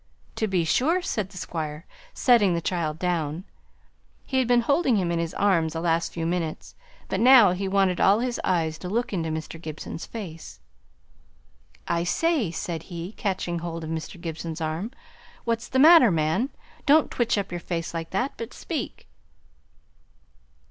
"To be sure," said the Squire, setting the child down. He had been holding him in his arms the last few minutes: but now he wanted all his eyes to look into Mr. Gibson's face. "I say," said he, catching hold of Mr. Gibson's arm, "what's the matter, man? Don't twitch up your face like that, but speak!"